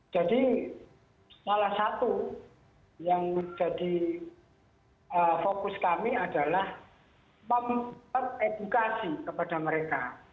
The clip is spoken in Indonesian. jadi salah satu yang menjadi fokus kami adalah memperedukasi kepada mereka